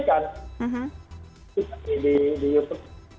itu pasti di youtube